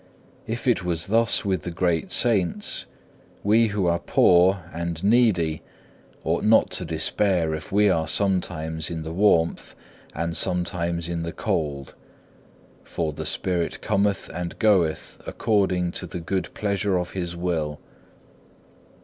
If it was thus with the great saints, we who are poor and needy ought not to despair if we are sometimes in the warmth and sometimes in the cold, for the Spirit cometh and goeth according to the good pleasure of His will.